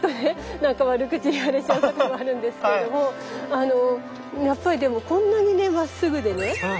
何か悪口言われちゃうこともあるんですけどやっぱりでもこんなにねまっすぐでね